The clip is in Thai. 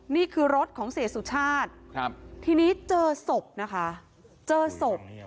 นี่คือรถของเสียสุชาติทีนี้เจอศพนะคะเจอศพ